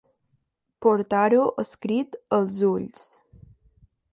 Portar-ho escrit als ulls.